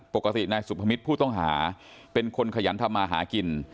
ปกตินายสุพมิตรผู้ต้องหาเป็นคนขยันทำมาหากิน